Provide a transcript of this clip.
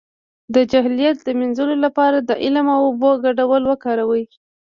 د جهالت د مینځلو لپاره د علم او اوبو ګډول وکاروئ